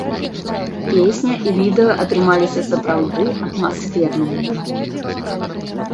Песня і відэа атрымаліся сапраўды атмасфернымі.